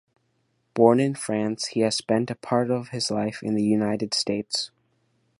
Born in France, he has spent a part of his life in the United States.